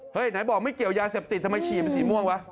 เฮ้ยไหนบอกไม่เกี่ยวยาเสพติดทำไมฉีมสีม่วงวะ